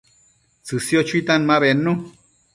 tsësio chuitan ma bednu